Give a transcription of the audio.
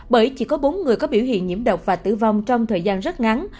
bởi chỉ có bốn người có biểu hiện nhiễm độc và tử vong trong thời gian rất ngắn